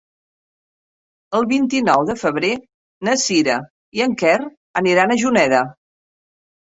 El vint-i-nou de febrer na Sira i en Quer aniran a Juneda.